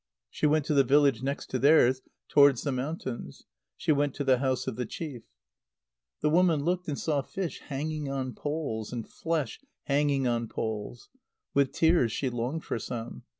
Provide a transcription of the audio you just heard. She went to the village next to theirs, towards the mountains. She went to the house of the chief. The woman looked and saw fish hanging on poles, and flesh hanging on poles. With tears she longed for some.